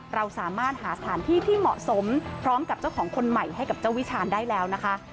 เราสามารถหาสถานที่ที่เหมาะสมพร้อมกับเจ้าของคนใหม่ให้กับเจ้าวิชาณได้แล้วนะคะ